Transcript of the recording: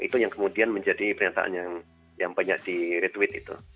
itu yang kemudian menjadi pernyataan yang banyak di retweet itu